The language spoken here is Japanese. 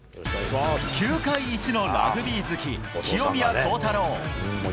球界一のラグビー好き、清宮幸太郎。